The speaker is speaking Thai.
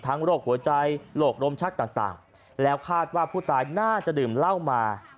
โรคหัวใจโรคลมชักต่างแล้วคาดว่าผู้ตายน่าจะดื่มเหล้ามา